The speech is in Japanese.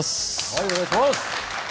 はいお願いします